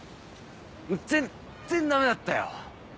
もう全然ダメだったよ！